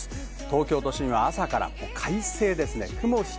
東京都心は朝から快晴です。